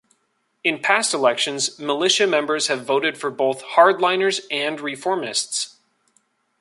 In past elections militia members have voted for both hardliners and reformists.